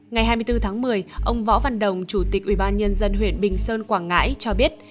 ngày hai mươi bốn tháng một mươi ông võ văn đồng chủ tịch ubnd huyện bình sơn quảng ngãi cho biết